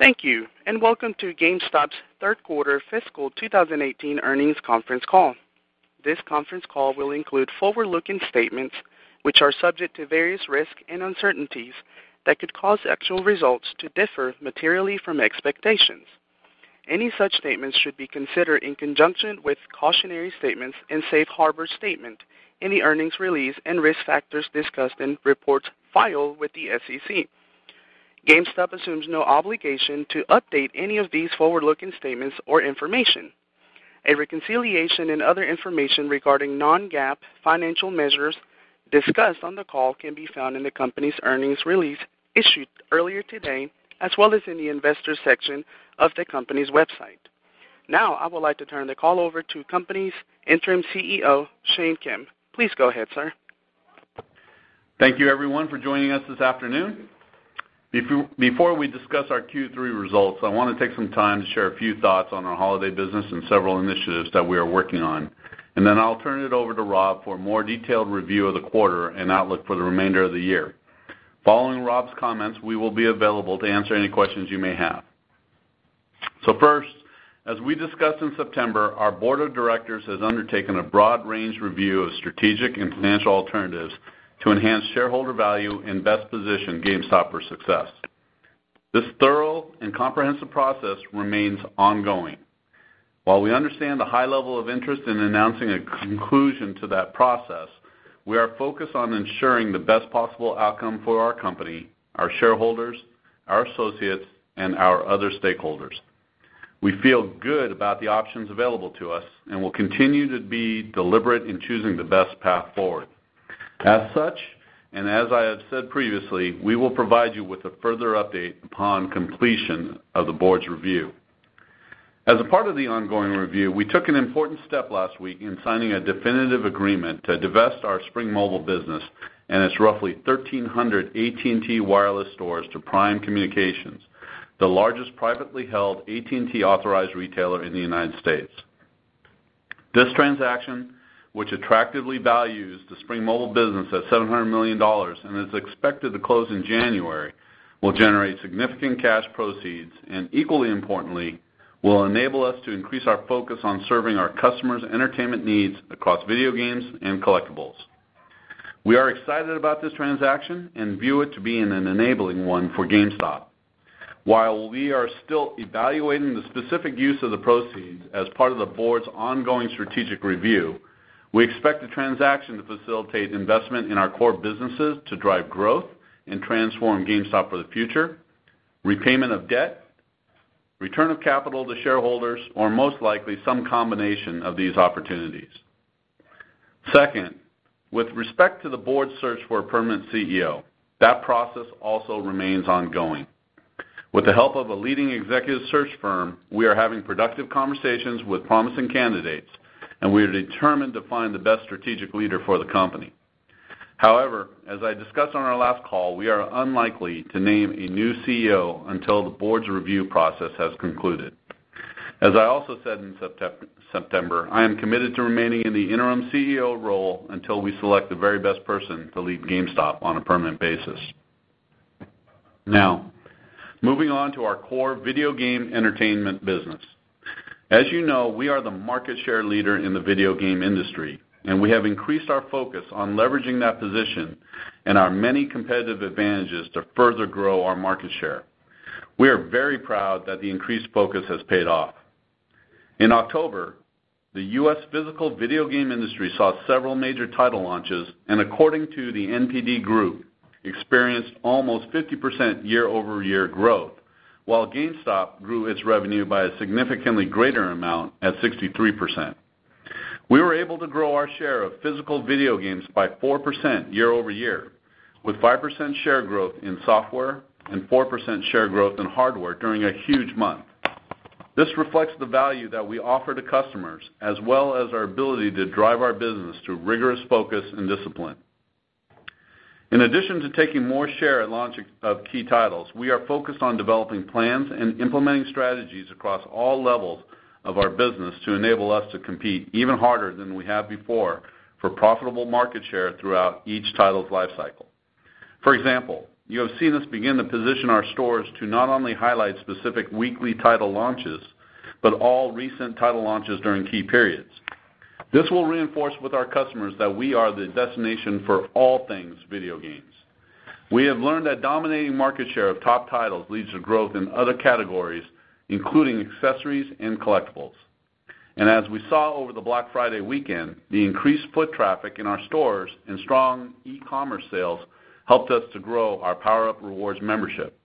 Thank you, and welcome to GameStop's third quarter fiscal 2018 earnings conference call. This conference call will include forward-looking statements, which are subject to various risks and uncertainties that could cause actual results to differ materially from expectations. Any such statements should be considered in conjunction with cautionary statements and safe harbor statement in the earnings release and risk factors discussed in reports filed with the SEC. GameStop assumes no obligation to update any of these forward-looking statements or information. A reconciliation and other information regarding non-GAAP financial measures discussed on the call can be found in the company's earnings release issued earlier today, as well as in the investors section of the company's website. Now, I would like to turn the call over to company's Interim CEO, Shane Kim. Please go ahead, sir. Thank you, everyone, for joining us this afternoon. Before we discuss our Q3 results, I want to take some time to share a few thoughts on our holiday business and several initiatives that we are working on. I'll turn it over to Rob for a more detailed review of the quarter and outlook for the remainder of the year. Following Rob's comments, we will be available to answer any questions you may have. First, as we discussed in September, our board of directors has undertaken a broad-range review of strategic and financial alternatives to enhance shareholder value and best position GameStop for success. This thorough and comprehensive process remains ongoing. While we understand the high level of interest in announcing a conclusion to that process, we are focused on ensuring the best possible outcome for our company, our shareholders, our associates, and our other stakeholders. We feel good about the options available to us and will continue to be deliberate in choosing the best path forward. As such, and as I have said previously, we will provide you with a further update upon completion of the board's review. As a part of the ongoing review, we took an important step last week in signing a definitive agreement to divest our Spring Mobile business and its roughly 1,300 AT&T wireless stores to Prime Communications, the largest privately held AT&T authorized retailer in the United States. This transaction, which attractively values the Spring Mobile business at $700 million and is expected to close in January, will generate significant cash proceeds and, equally importantly, will enable us to increase our focus on serving our customers' entertainment needs across video games and collectibles. We are excited about this transaction and view it to be an enabling one for GameStop. While we are still evaluating the specific use of the proceeds as part of the board's ongoing strategic review, we expect the transaction to facilitate investment in our core businesses to drive growth and transform GameStop for the future, repayment of debt, return of capital to shareholders, or most likely, some combination of these opportunities. Second, with respect to the board's search for a permanent CEO, that process also remains ongoing. With the help of a leading executive search firm, we are having productive conversations with promising candidates, and we are determined to find the best strategic leader for the company. However, as I discussed on our last call, we are unlikely to name a new CEO until the board's review process has concluded. As I also said in September, I am committed to remaining in the interim CEO role until we select the very best person to lead GameStop on a permanent basis. Moving on to our core video game entertainment business. As you know, we are the market share leader in the video game industry, we have increased our focus on leveraging that position and our many competitive advantages to further grow our market share. We are very proud that the increased focus has paid off. In October, the U.S. physical video game industry saw several major title launches, and according to the NPD Group, experienced almost 50% year-over-year growth, while GameStop grew its revenue by a significantly greater amount at 63%. We were able to grow our share of physical video games by 4% year-over-year, with 5% share growth in software and 4% share growth in hardware during a huge month. This reflects the value that we offer to customers, as well as our ability to drive our business through rigorous focus and discipline. In addition to taking more share at launch of key titles, we are focused on developing plans and implementing strategies across all levels of our business to enable us to compete even harder than we have before for profitable market share throughout each title's life cycle. For example, you have seen us begin to position our stores to not only highlight specific weekly title launches but all recent title launches during key periods. This will reinforce with our customers that we are the destination for all things video games. We have learned that dominating market share of top titles leads to growth in other categories, including accessories and collectibles. As we saw over the Black Friday weekend, the increased foot traffic in our stores and strong e-commerce sales helped us to grow our PowerUp Rewards membership,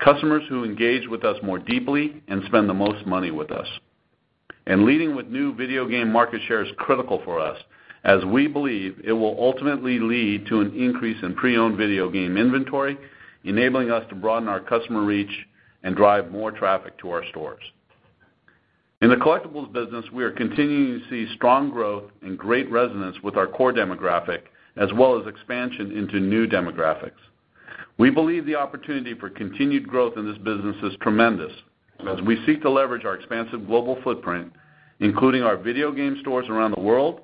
customers who engage with us more deeply and spend the most money with us. Leading with new video game market share is critical for us, as we believe it will ultimately lead to an increase in pre-owned video game inventory, enabling us to broaden our customer reach and drive more traffic to our stores. In the collectibles business, we are continuing to see strong growth and great resonance with our core demographic, as well as expansion into new demographics. We believe the opportunity for continued growth in this business is tremendous as we seek to leverage our expansive global footprint, including our video game stores around the world,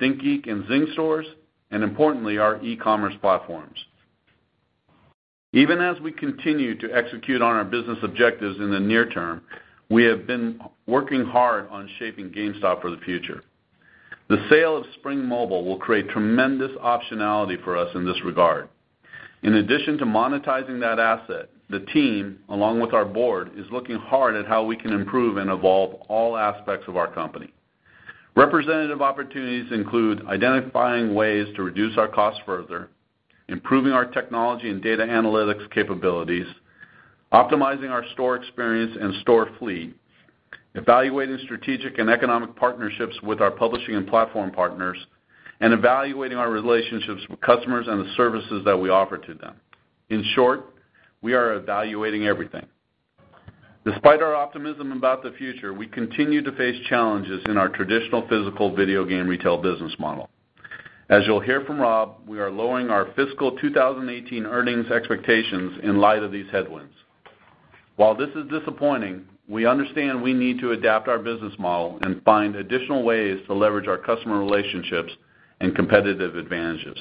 ThinkGeek and Zing stores. Importantly, our e-commerce platforms. Even as we continue to execute on our business objectives in the near term, we have been working hard on shaping GameStop for the future. The sale of Spring Mobile will create tremendous optionality for us in this regard. In addition to monetizing that asset, the team, along with our board, is looking hard at how we can improve and evolve all aspects of our company. Representative opportunities include identifying ways to reduce our costs further, improving our technology and data analytics capabilities, optimizing our store experience and store fleet, evaluating strategic and economic partnerships with our publishing and platform partners, and evaluating our relationships with customers and the services that we offer to them. In short, we are evaluating everything. Despite our optimism about the future, we continue to face challenges in our traditional physical video game retail business model. As you'll hear from Rob, we are lowering our fiscal 2018 earnings expectations in light of these headwinds. While this is disappointing, we understand we need to adapt our business model and find additional ways to leverage our customer relationships and competitive advantages.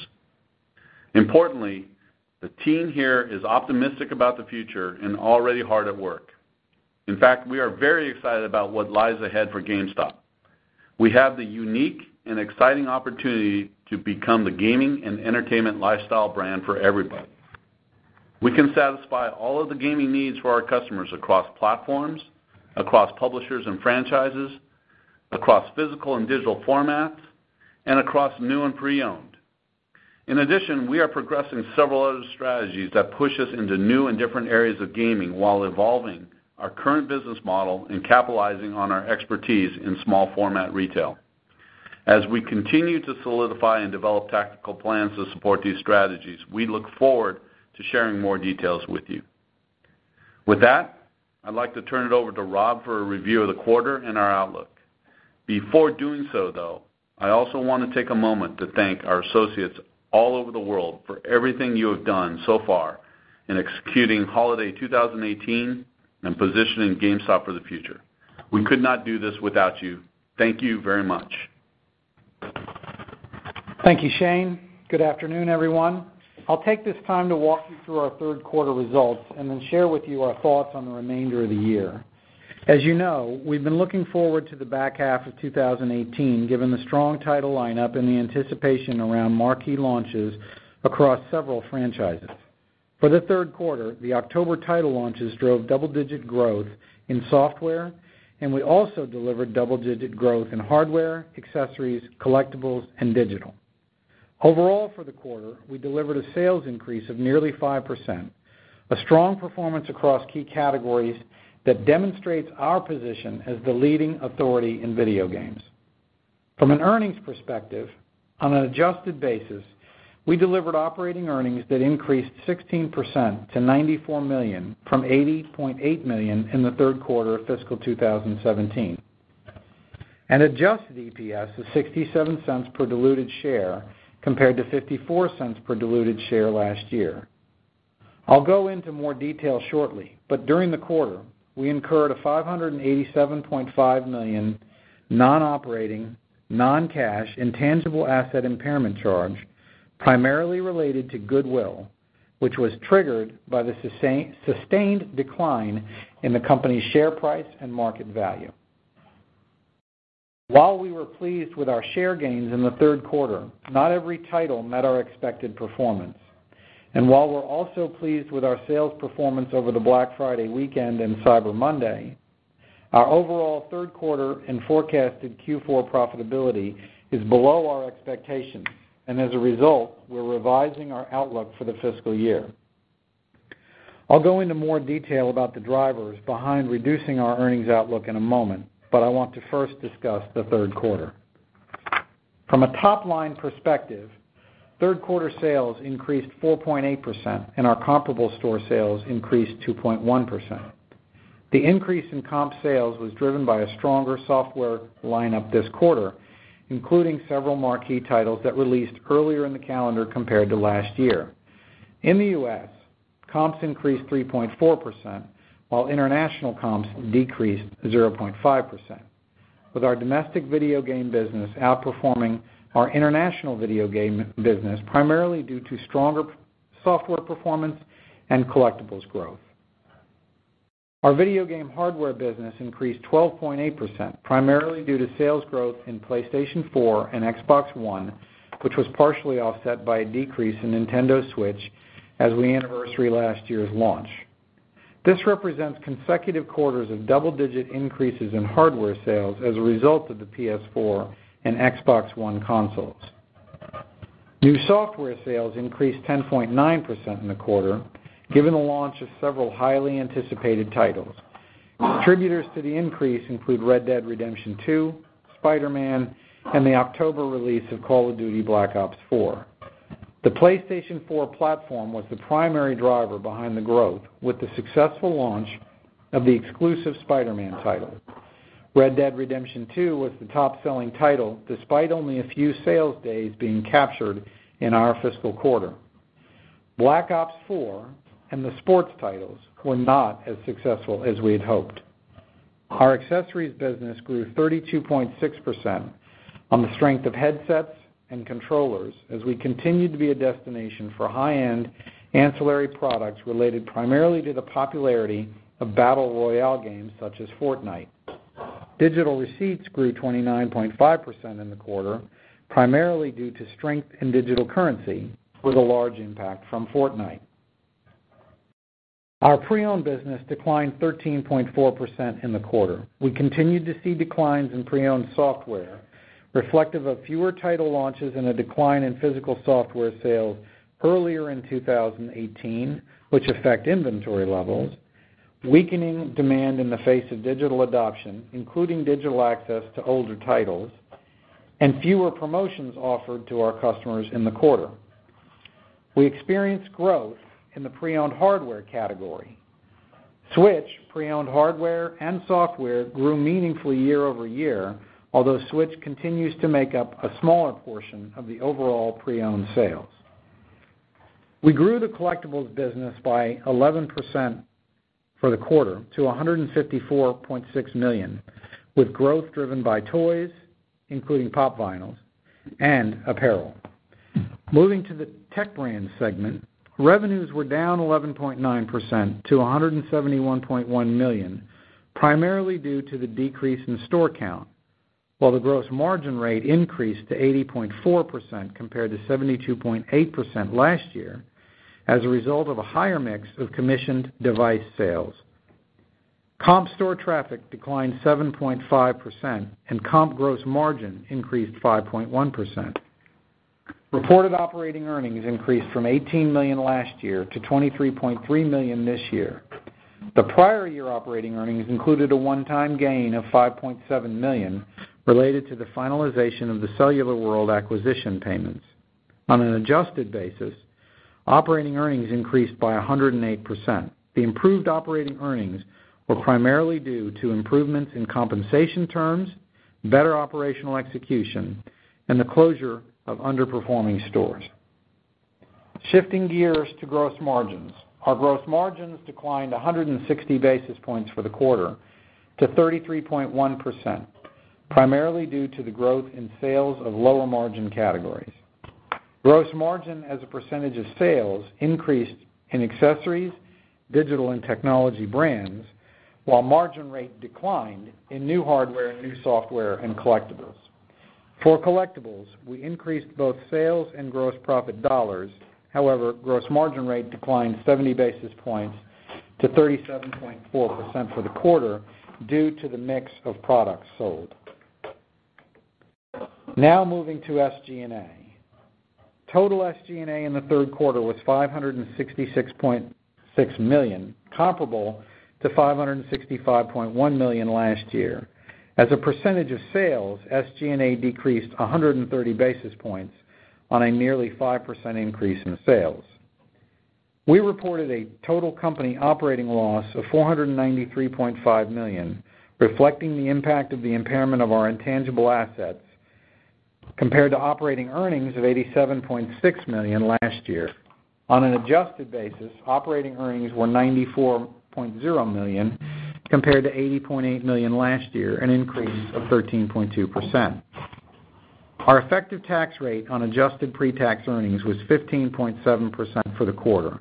Importantly, the team here is optimistic about the future and already hard at work. In fact, we are very excited about what lies ahead for GameStop. We have the unique and exciting opportunity to become the gaming and entertainment lifestyle brand for everybody. We can satisfy all of the gaming needs for our customers across platforms, across publishers and franchises, across physical and digital formats, and across new and pre-owned. In addition, we are progressing several other strategies that push us into new and different areas of gaming while evolving our current business model and capitalizing on our expertise in small format retail. As we continue to solidify and develop tactical plans to support these strategies, we look forward to sharing more details with you. With that, I'd like to turn it over to Rob for a review of the quarter and our outlook. Before doing so, though, I also want to take a moment to thank our associates all over the world for everything you have done so far in executing holiday 2018 and positioning GameStop for the future. We could not do this without you. Thank you very much. Thank you, Shane. Good afternoon, everyone. I'll take this time to walk you through our third quarter results and then share with you our thoughts on the remainder of the year. As you know, we've been looking forward to the back half of 2018, given the strong title lineup and the anticipation around marquee launches across several franchises. For the third quarter, the October title launches drove double-digit growth in software, and we also delivered double-digit growth in hardware, accessories, collectibles, and digital. Overall, for the quarter, we delivered a sales increase of nearly 5%, a strong performance across key categories that demonstrates our position as the leading authority in video games. From an earnings perspective, on an adjusted basis, we delivered operating earnings that increased 16% to $94 million from $80.8 million in the third quarter of fiscal 2017. Adjusted EPS is $0.67 per diluted share compared to $0.54 per diluted share last year. I'll go into more detail shortly, but during the quarter, we incurred a $587.5 million non-operating, non-cash intangible asset impairment charge, primarily related to goodwill, which was triggered by the sustained decline in the company's share price and market value. While we were pleased with our share gains in the third quarter, not every title met our expected performance. While we're also pleased with our sales performance over the Black Friday weekend and Cyber Monday, our overall third quarter and forecasted Q4 profitability is below our expectations. As a result, we're revising our outlook for the fiscal year. I'll go into more detail about the drivers behind reducing our earnings outlook in a moment, but I want to first discuss the third quarter. From a top-line perspective, third-quarter sales increased 4.8%, and our comparable store sales increased 2.1%. The increase in comp sales was driven by a stronger software lineup this quarter, including several marquee titles that released earlier in the calendar compared to last year. In the U.S., comps increased 3.4%, while international comps decreased 0.5%. With our domestic video game business outperforming our international video game business, primarily due to stronger software performance and collectibles growth. Our video game hardware business increased 12.8%, primarily due to sales growth in PlayStation 4 and Xbox One, which was partially offset by a decrease in Nintendo Switch as we anniversary last year's launch. This represents consecutive quarters of double-digit increases in hardware sales as a result of the PS4 and Xbox One consoles. New software sales increased 10.9% in the quarter, given the launch of several highly anticipated titles. Contributors to the increase include Red Dead Redemption 2, Spider-Man, and the October release of Call of Duty: Black Ops 4. The PlayStation 4 platform was the primary driver behind the growth, with the successful launch of the exclusive Spider-Man title. Red Dead Redemption 2 was the top-selling title, despite only a few sales days being captured in our fiscal quarter. Black Ops 4 and the sports titles were not as successful as we had hoped. Our accessories business grew 32.6% on the strength of headsets and controllers as we continued to be a destination for high-end ancillary products related primarily to the popularity of battle royale games such as Fortnite. Digital receipts grew 29.5% in the quarter, primarily due to strength in digital currency, with a large impact from Fortnite. Our pre-owned business declined 13.4% in the quarter. We continued to see declines in pre-owned software, reflective of fewer title launches and a decline in physical software sales earlier in 2018, which affect inventory levels, weakening demand in the face of digital adoption, including digital access to older titles, and fewer promotions offered to our customers in the quarter. We experienced growth in the pre-owned hardware category. Switch pre-owned hardware and software grew meaningfully year-over-year, although Switch continues to make up a smaller portion of the overall pre-owned sales. We grew the collectibles business by 11% for the quarter to $154.6 million, with growth driven by toys, including Pop! vinyls and apparel. Moving to the Tech Brands segment, revenues were down 11.9% to $171.1 million, primarily due to the decrease in store count, while the gross margin rate increased to 80.4% compared to 72.8% last year as a result of a higher mix of commissioned device sales. Comp store traffic declined 7.5% and comp gross margin increased 5.1%. Reported operating earnings increased from $18 million last year to $23.3 million this year. The prior year operating earnings included a one-time gain of $5.7 million related to the finalization of the Cellular World acquisition payments. On an adjusted basis, operating earnings increased by 108%. The improved operating earnings were primarily due to improvements in compensation terms, better operational execution, and the closure of underperforming stores. Shifting gears to gross margins. Our gross margins declined 160 basis points for the quarter to 33.1%, primarily due to the growth in sales of lower-margin categories. Gross margin as a percentage of sales increased in accessories, digital and Tech Brands, while margin rate declined in new hardware, new software, and collectibles. For collectibles, we increased both sales and gross profit dollars. Gross margin rate declined 70 basis points to 37.4% for the quarter due to the mix of products sold. Moving to SG&A. Total SG&A in the third quarter was $566.6 million, comparable to $565.1 million last year. As a percentage of sales, SG&A decreased 130 basis points on a nearly 5% increase in sales. We reported a total company operating loss of $493.5 million, reflecting the impact of the impairment of our intangible assets, compared to operating earnings of $87.6 million last year. On an adjusted basis, operating earnings were $94.0 million compared to $80.8 million last year, an increase of 13.2%. Our effective tax rate on adjusted pre-tax earnings was 15.7% for the quarter.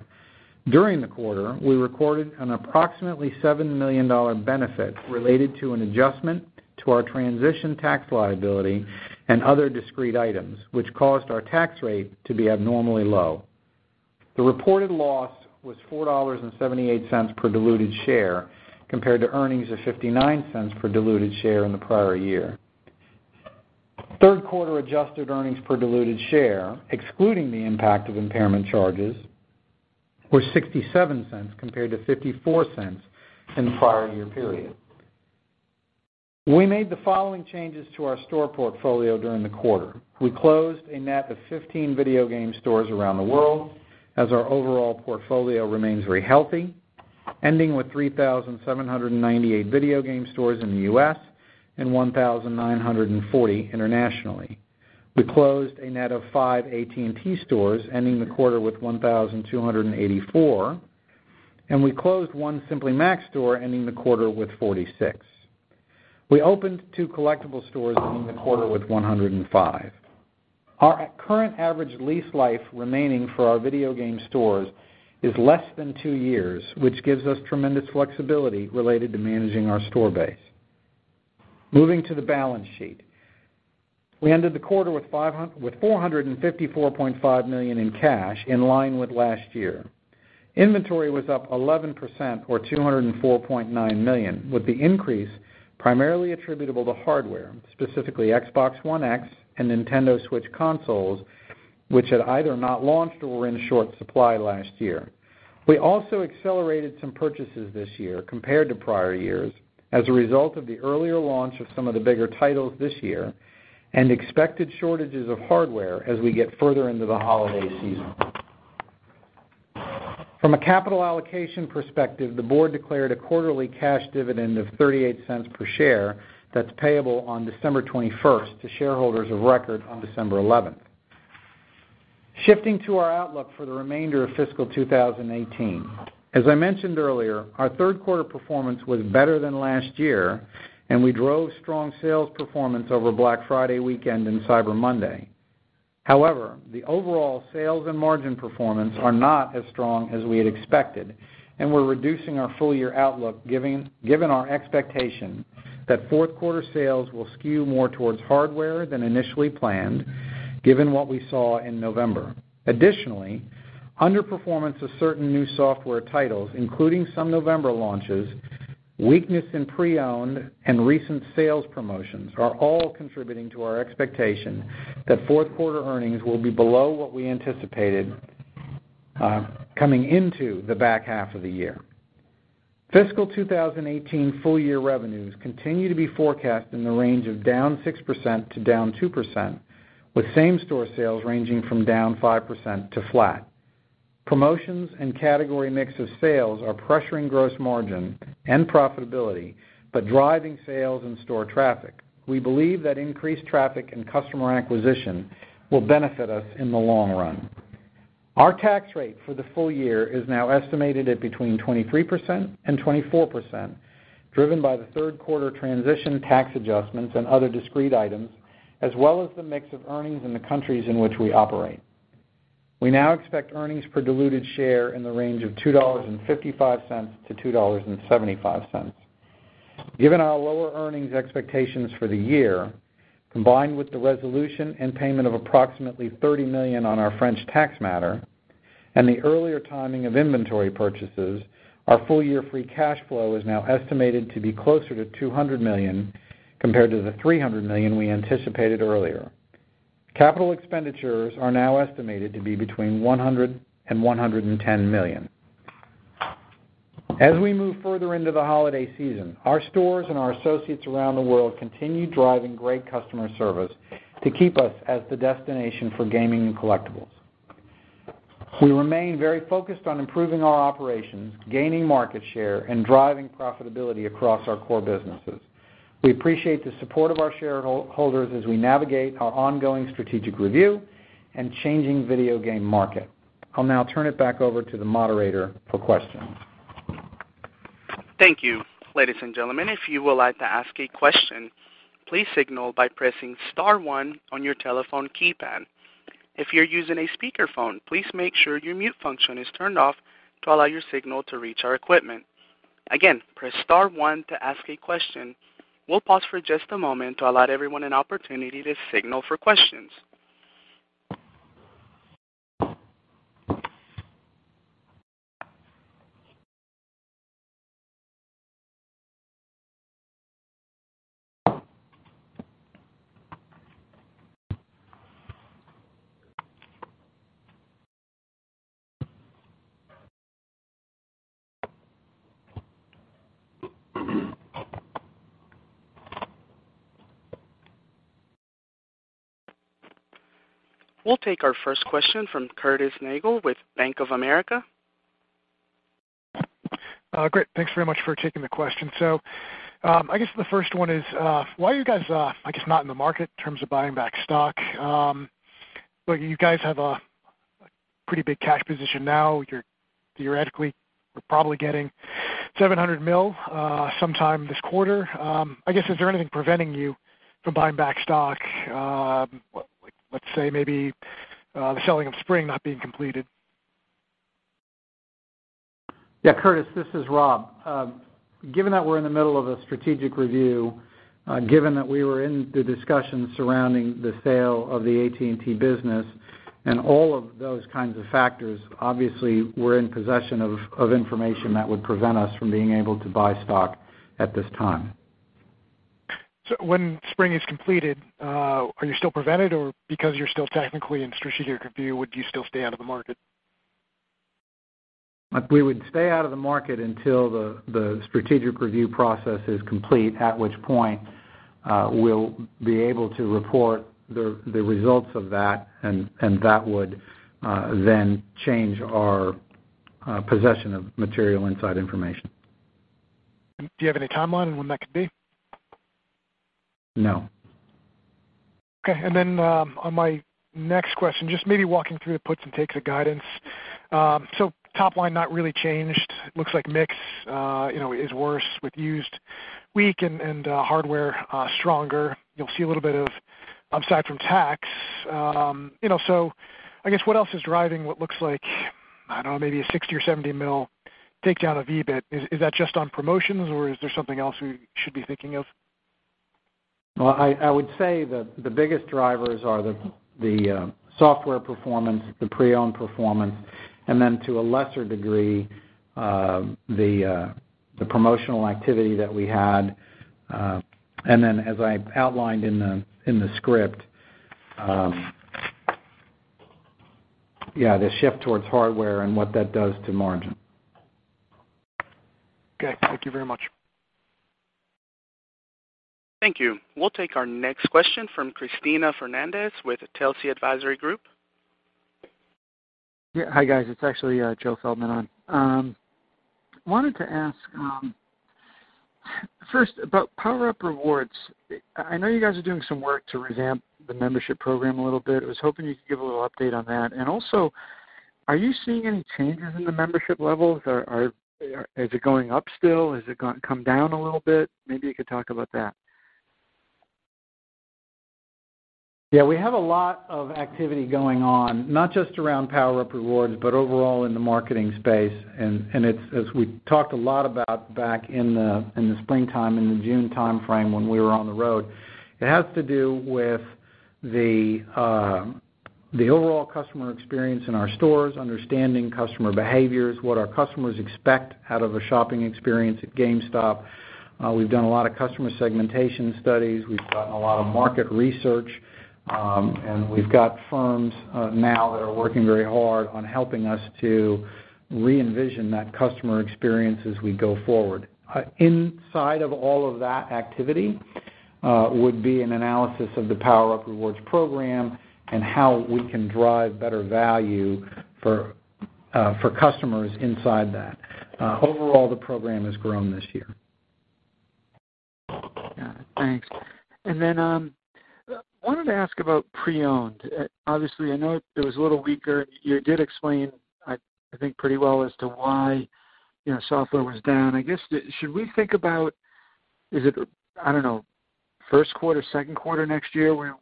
During the quarter, we recorded an approximately $7 million benefit related to an adjustment to our transition tax liability and other discrete items, which caused our tax rate to be abnormally low. The reported loss was $4.78 per diluted share, compared to earnings of $0.59 per diluted share in the prior year. Third quarter adjusted earnings per diluted share, excluding the impact of impairment charges, were $0.67 compared to $0.54 in the prior year period. We made the following changes to our store portfolio during the quarter. We closed a net of 15 video game stores around the world as our overall portfolio remains very healthy, ending with 3,798 video game stores in the U.S. and 1,940 internationally. We closed a net of five AT&T stores, ending the quarter with 1,284, and we closed one Simply Mac store, ending the quarter with 46. We opened two collectibles stores, ending the quarter with 105. Our current average lease life remaining for our video game stores is less than two years, which gives us tremendous flexibility related to managing our store base. Moving to the balance sheet. We ended the quarter with $454.5 million in cash, in line with last year. Inventory was up 11%, or $204.9 million, with the increase primarily attributable to hardware, specifically Xbox One X and Nintendo Switch consoles, which had either not launched or were in short supply last year. We also accelerated some purchases this year compared to prior years as a result of the earlier launch of some of the bigger titles this year and expected shortages of hardware as we get further into the holiday season. From a capital allocation perspective, the board declared a quarterly cash dividend of $0.38 per share that's payable on December 21st to shareholders of record on December 11th. Shifting to our outlook for the remainder of fiscal 2018. As I mentioned earlier, our third quarter performance was better than last year. We drove strong sales performance over Black Friday weekend and Cyber Monday. The overall sales and margin performance are not as strong as we had expected. We're reducing our full-year outlook given our expectation that fourth quarter sales will skew more towards hardware than initially planned, given what we saw in November. Underperformance of certain new software titles, including some November launches, weakness in pre-owned and recent sales promotions are all contributing to our expectation that fourth quarter earnings will be below what we anticipated coming into the back half of the year. Fiscal 2018 full-year revenues continue to be forecast in the range of down 6%-down 2%, with same-store sales ranging from down 5% to flat. Promotions and category mix of sales are pressuring gross margin and profitability, driving sales and store traffic. We believe that increased traffic and customer acquisition will benefit us in the long run. Our tax rate for the full year is now estimated at between 23% and 24%, driven by the third quarter transition tax adjustments and other discrete items, as well as the mix of earnings in the countries in which we operate. We now expect earnings per diluted share in the range of $2.55-$2.75. Given our lower earnings expectations for the year, combined with the resolution and payment of approximately $30 million on our French tax matter and the earlier timing of inventory purchases, our full-year free cash flow is now estimated to be closer to $200 million compared to the $300 million we anticipated earlier. Capital expenditures are now estimated to be between $100 million and $110 million. As we move further into the holiday season, our stores and our associates around the world continue driving great customer service to keep us as the destination for gaming and collectibles. We remain very focused on improving our operations, gaining market share, and driving profitability across our core businesses. We appreciate the support of our shareholders as we navigate our ongoing strategic review and changing video game market. I'll now turn it back over to the moderator for questions. Thank you. Ladies and gentlemen, if you would like to ask a question, please signal by pressing star one on your telephone keypad. If you're using a speakerphone, please make sure your mute function is turned off to allow your signal to reach our equipment. Again, press star one to ask a question. We'll pause for just a moment to allow everyone an opportunity to signal for questions. We'll take our first question from Curtis Nagle with Bank of America. Great. Thanks very much for taking the question. I guess the first one is, why are you guys, I guess, not in the market in terms of buying back stock? You guys have a pretty big cash position now. You're theoretically probably getting $700 million sometime this quarter. I guess, is there anything preventing you from buying back stock? Let's say maybe the selling of Spring not being completed. Yeah, Curtis, this is Rob. Given that we're in the middle of a strategic review, given that we were in the discussions surrounding the sale of the AT&T business and all of those kinds of factors, obviously we're in possession of information that would prevent us from being able to buy stock at this time. When Spring is completed, are you still prevented or because you're still technically in strategic review, would you still stay out of the market? We would stay out of the market until the strategic review process is complete, at which point we'll be able to report the results of that and that would then change our possession of material inside information. Do you have any timeline on when that could be? No. Okay, on my next question, just maybe walking through the puts and takes of guidance. Top line not really changed. Looks like mix is worse with used weak and hardware stronger. You'll see a little bit of upside from tax. I guess what else is driving what looks like, I don't know, maybe a $60 million or $70 million takedown of EBIT? Is that just on promotions or is there something else we should be thinking of? Well, I would say the biggest drivers are the software performance, the pre-owned performance, and then to a lesser degree, the promotional activity that we had. As I outlined in the script, yeah, the shift towards hardware and what that does to margin. Okay. Thank you very much. Thank you. We'll take our next question from Cristina Fernández with Telsey Advisory Group. Yeah. Hi, guys. It's actually Joe Feldman on. First, about PowerUp Rewards. I know you guys are doing some work to revamp the membership program a little bit. I was hoping you could give a little update on that. Also, are you seeing any changes in the membership levels? Is it going up still? Has it come down a little bit? Maybe you could talk about that. Yeah, we have a lot of activity going on, not just around PowerUp Rewards, but overall in the marketing space. As we talked a lot about back in the springtime, in the June timeframe when we were on the road, it has to do with the overall customer experience in our stores, understanding customer behaviors, what our customers expect out of a shopping experience at GameStop. We've done a lot of customer segmentation studies. We've done a lot of market research. We've got firms now that are working very hard on helping us to re-envision that customer experience as we go forward. Inside of all of that activity would be an analysis of the PowerUp Rewards program and how we can drive better value for customers inside that. Overall, the program has grown this year. Got it. Thanks. Then, wanted to ask about pre-owned. Obviously, I know it was a little weaker. You did explain, I think, pretty well as to why software was down. I guess, should we think about, is it, I don't know, first quarter, second quarter next year, we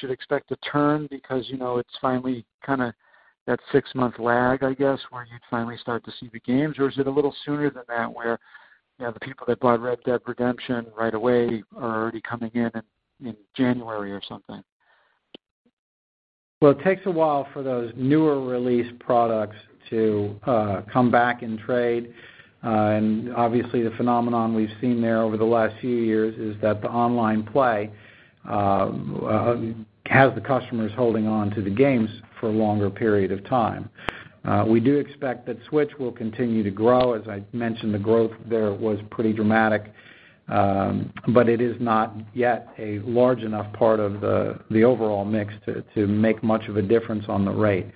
should expect a turn because it's finally that six-month lag, I guess, where you'd finally start to see the games? Or is it a little sooner than that where the people that bought "Red Dead Redemption" right away are already coming in in January or something? Well, it takes a while for those newer release products to come back in trade. Obviously the phenomenon we've seen there over the last few years is that the online play has the customers holding on to the games for a longer period of time. We do expect that Switch will continue to grow. As I mentioned, the growth there was pretty dramatic. It is not yet a large enough part of the overall mix to make much of a difference on the rate.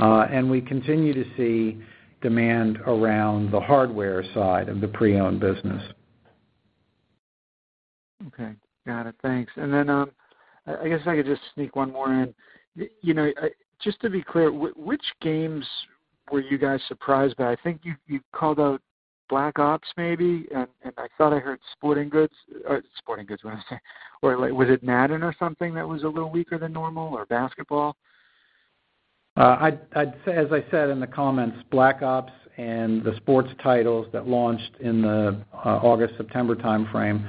We continue to see demand around the hardware side of the pre-owned business. Okay. Got it. Thanks. I guess I could just sneak one more in. Just to be clear, which games were you guys surprised by? I think you called out "Black Ops," maybe, I thought I heard "Sporting Goods." "Sporting Goods" is what I'm saying. Or was it "Madden" or something that was a little weaker than normal, or basketball? As I said in the comments, "Black Ops" and the sports titles that launched in the August-September timeframe.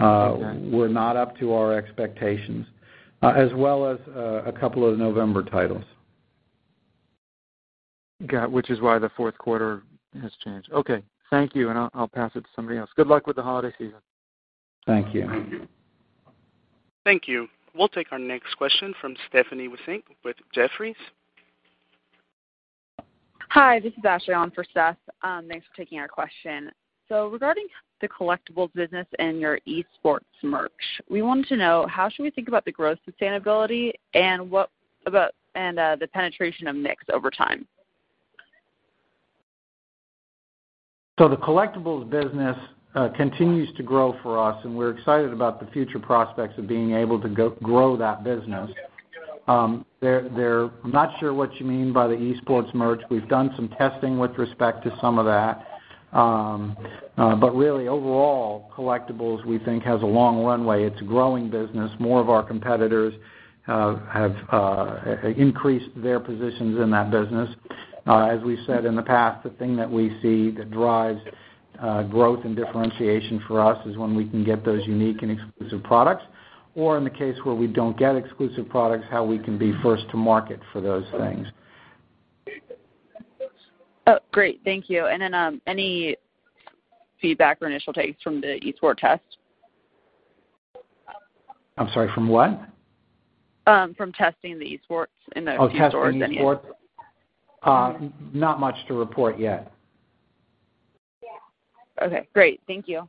Okay. They were not up to our expectations. As well as a couple of November titles. Got it, which is why the fourth quarter has changed. Okay. Thank you, and I'll pass it to somebody else. Good luck with the holiday season. Thank you. Thank you. We'll take our next question from Stephanie Wissink with Jefferies. Hi, this is Ashley on for Steph. Thanks for taking our question. Regarding the collectibles business and your esports merch, we wanted to know how should we think about the growth sustainability and the penetration of mix over time? The collectibles business continues to grow for us. We're excited about the future prospects of being able to grow that business. I'm not sure what you mean by the esports merch. We've done some testing with respect to some of that. Really overall, collectibles, we think, has a long runway. It's a growing business. More of our competitors have increased their positions in that business. As we said in the past, the thing that we see that drives growth and differentiation for us is when we can get those unique and exclusive products. In the case where we don't get exclusive products, how we can be first to market for those things. Oh, great. Thank you. Any feedback or initial takes from the esports test? I'm sorry, from what? From testing the esports in the few stores. Oh, testing esports. Not much to report yet. Okay, great. Thank you.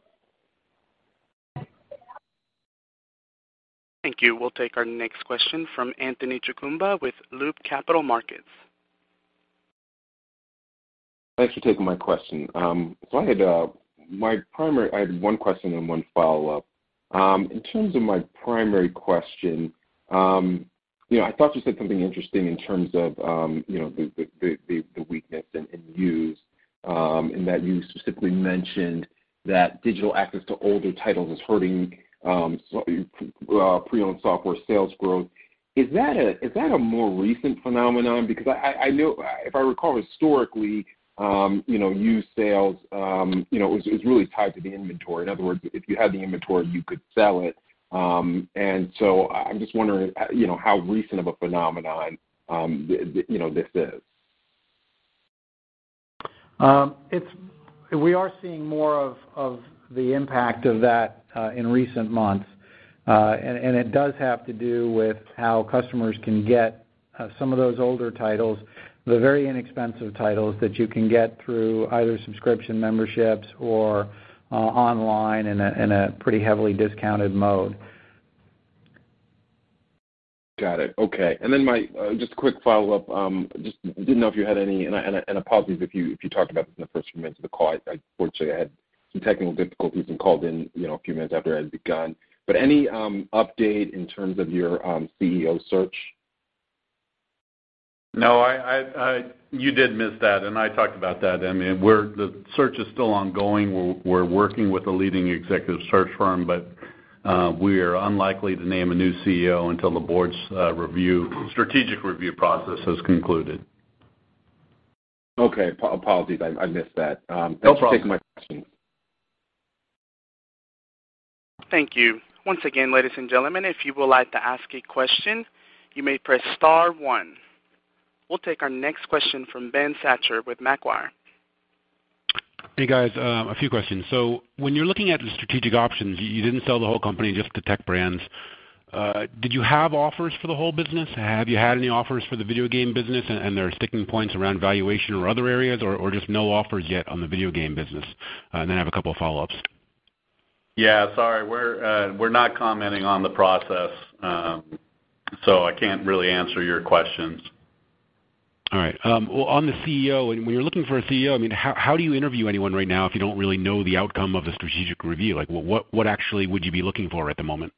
Thank you. We will take our next question from Anthony Chukumba with Loop Capital Markets. Thanks for taking my question. I had one question and one follow-up. In terms of my primary question, I thought you said something interesting in terms of the weakness in used, in that you specifically mentioned that digital access to older titles is hurting pre-owned software sales growth. Is that a more recent phenomenon? Because if I recall historically, used sales was really tied to the inventory. In other words, if you had the inventory, you could sell it. I am just wondering how recent of a phenomenon this is. We are seeing more of the impact of that in recent months. It does have to do with how customers can get some of those older titles, the very inexpensive titles that you can get through either subscription memberships or online in a pretty heavily discounted mode. Got it. Okay. Just a quick follow-up. Just didn't know if you had any. Apologies if you talked about this in the first few minutes of the call. Unfortunately, I had some technical difficulties and called in a few minutes after it had begun. Any update in terms of your CEO search? No, you did miss that. I talked about that. The search is still ongoing. We're working with a leading executive search firm. We are unlikely to name a new CEO until the board's strategic review process has concluded. Okay. Apologies, I missed that. No problem. Thanks for taking my question. Thank you. Once again, ladies and gentlemen, if you would like to ask a question, you may press star one. We'll take our next question from Ben Schachter with Macquarie. Hey, guys. A few questions. When you're looking at the strategic options, you didn't sell the whole company, just the Tech Brands. Did you have offers for the whole business? Have you had any offers for the video game business and there are sticking points around valuation or other areas, or just no offers yet on the video game business? I have a couple of follow-ups. Yeah. Sorry, we're not commenting on the process, so I can't really answer your questions. All right. Well, on the CEO, when you're looking for a CEO, how do you interview anyone right now if you don't really know the outcome of the strategic review? What actually would you be looking for at the moment?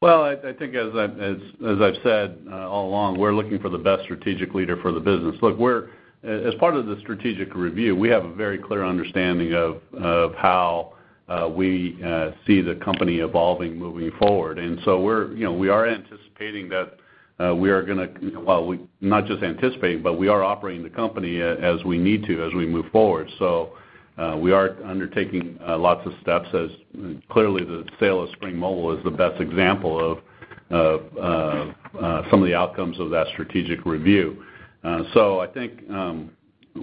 Well, I think as I've said all along, we're looking for the best strategic leader for the business. Look, as part of the strategic review, we have a very clear understanding of how we see the company evolving moving forward. We are anticipating that we are going to Well, not just anticipate, but we are operating the company as we need to as we move forward. We are undertaking lots of steps as clearly the sale of Spring Mobile is the best example of some of the outcomes of that strategic review. I think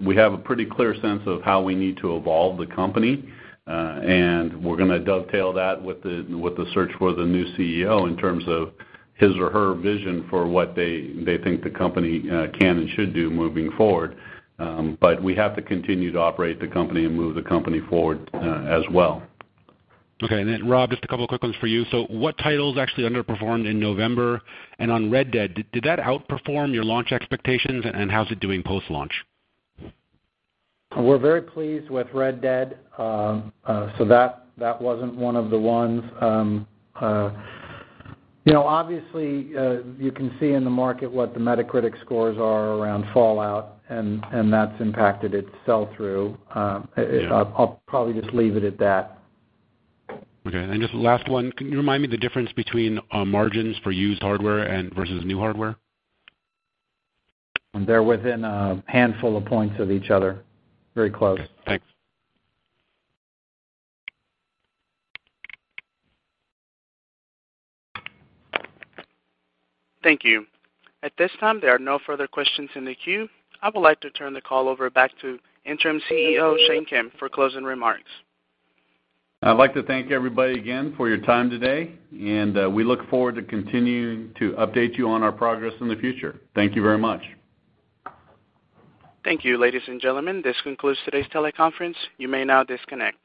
we have a pretty clear sense of how we need to evolve the company. We're going to dovetail that with the search for the new CEO in terms of his or her vision for what they think the company can and should do moving forward. We have to continue to operate the company and move the company forward as well. Rob, just a couple of quick ones for you. What titles actually underperformed in November? On "Red Dead," did that outperform your launch expectations, and how's it doing post-launch? We're very pleased with "Red Dead," that wasn't one of the ones. Obviously, you can see in the market what the Metacritic scores are around "Fallout," that's impacted its sell-through. Yeah. I'll probably just leave it at that. Okay. Just last one, can you remind me the difference between margins for used hardware versus new hardware? They're within a handful of points of each other. Very close. Okay. Thanks. Thank you. At this time, there are no further questions in the queue. I would like to turn the call over back to Interim CEO, Shane Kim, for closing remarks. I'd like to thank everybody again for your time today, and we look forward to continuing to update you on our progress in the future. Thank you very much. Thank you, ladies and gentlemen. This concludes today's teleconference. You may now disconnect.